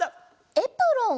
エプロン？